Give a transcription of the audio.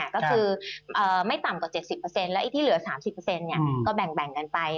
ก็คือไม่ต่ำกว่า๗๐แล้วไอ้ที่เหลือ๓๐ก็แบ่งกันไป